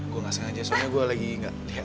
gue gak sengaja soalnya gue lagi gak lihat